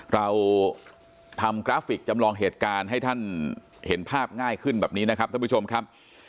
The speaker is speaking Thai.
เราทำกราฟิกจำลองเหตุการณ์ให้ท่านเห็นภาพง่ายขึ้นแบบนี้นะครับท่านผู้ชมครับ